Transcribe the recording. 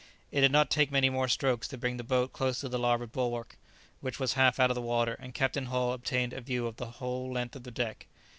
It did not take many more strokes to bring the boat close to the larboard bulwark, which was half out of the water, and Captain Hull obtained a view of the whole length of the deck.